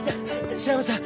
白浜さん